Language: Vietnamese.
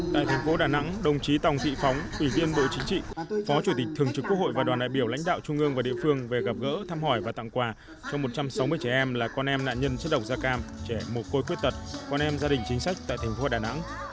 tại thành phố đà nẵng đồng chí tòng thị phóng ủy viên bộ chính trị phó chủ tịch thường trực quốc hội và đoàn đại biểu lãnh đạo trung ương và địa phương về gặp gỡ thăm hỏi và tặng quà cho một trăm sáu mươi trẻ em là con em nạn nhân chất độc da cam trẻ mồ côi quyết tật con em gia đình chính sách tại thành phố đà nẵng